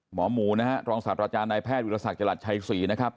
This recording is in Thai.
หมอหมูรองศาสตร์อาจารย์นายแพทย์วิทยาลัยศักดิ์ชัยศรีนะครับ